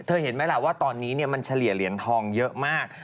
เห็นไหมล่ะว่าตอนนี้มันเฉลี่ยเหรียญทองเยอะมาก